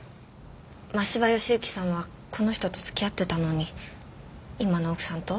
真柴義之さんはこの人と付き合ってたのに今の奥さんと？